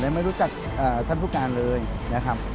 ไม่รู้จักท่านผู้การเลยนะครับ